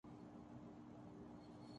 مریم کو سیاست میں دلچسپی ہے۔